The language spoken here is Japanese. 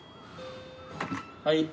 はい。